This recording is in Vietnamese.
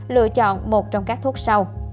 lựa chọn một trong các thuốc sau